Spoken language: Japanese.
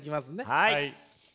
はい。